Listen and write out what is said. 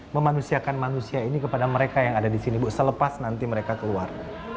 memanusiakan manusia ini kepada mereka yang ada di sini bu selepas nanti mereka keluar